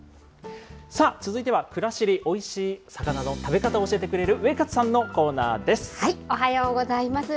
さあ、続いてはくらしり、おいしい魚の食べ方を教えてくれるウエおはようございます。